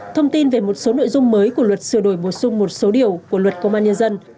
thông tin về một số nội dung mới của luật sửa đổi bổ sung một số điều của luật công an nhân dân